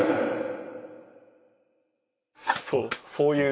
そうそういう。